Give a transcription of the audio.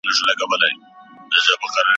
نور مي د سپوږمۍ په پلوشو خیالونه نه مینځم